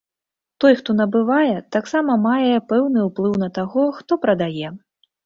Той, хто набывае, таксама мае пэўны ўплыў на таго, хто прадае.